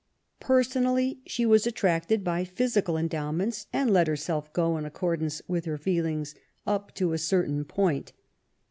Personally, she was attracted by physical endow ments, and let herself go in accordance with her feelings up to a certain point.